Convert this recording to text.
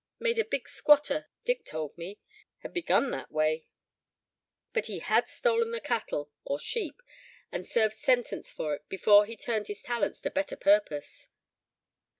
Many a big squatter, Dick told me, had begun that way, but he had stolen the cattle or sheep, and served sentence for it, before he turned his talents to better purpose."